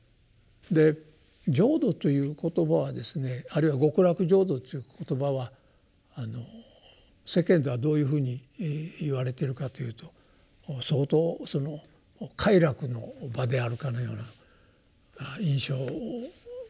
で浄土という言葉はですねあるいは極楽浄土という言葉は世間ではどういうふうに言われてるかというと相当その快楽の場であるかのような印象が流れておりますけど。